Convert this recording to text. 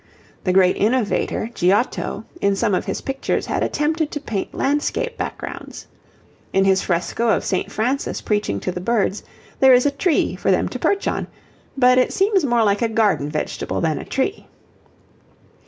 The great innovator, Giotto, in some of his pictures had attempted to paint landscape backgrounds. In his fresco of St. Francis preaching to the birds there is a tree for them to perch on, but it seems more like a garden vegetable than a tree.